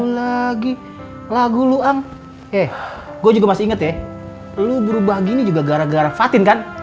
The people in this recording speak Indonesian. lagi lagu luang eh gue juga masih inget ya lu berubah gini juga gara gara fatin kan